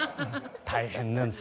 大変なんです。